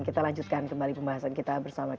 kita lanjutkan kembali pembahasan kita bersama kita